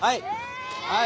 はい。